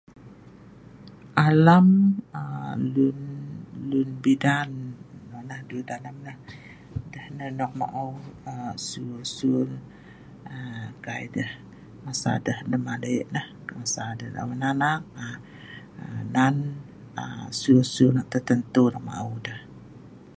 Alam aa luen midan nonoh duet alam lah. Deh nah nok ma'eu suel suel kai deh masa deh lem'ale nah masa deh la' wan' anak nan suel suel nok tertentu ma'eu deh.